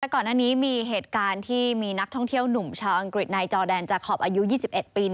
ก่อนหน้านี้มีเหตุการณ์ที่มีนักท่องเที่ยวหนุ่มชาวอังกฤษในจอแดนจาคอปอายุ๒๑ปี